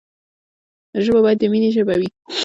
ژبه باید د ميني ژبه وي.